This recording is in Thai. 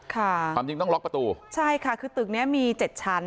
ความจริงต้องล็อกประตูใช่ค่ะคือตึกเนี้ยมีเจ็ดชั้น